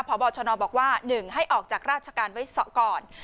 พบชนบอกว่า๑ให้ออกจากราชการไว้ก่อน